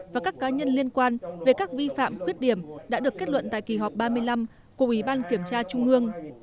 và các cá nhân liên quan về các vi phạm khuyết điểm đã được kết luận tại kỳ họp ba mươi năm của ủy ban kiểm tra trung ương